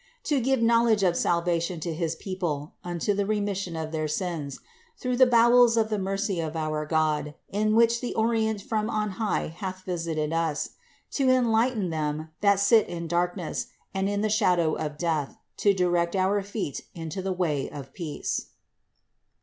To give knowledge of salvation to his people: unto the remission of their sins : 78. Through the bowels of the mercy of our God, in which the Orient from on high hath visited us: 79. To enlighten them that sit in darkness, and in the shadow of death: to direct our feet into the way of peace."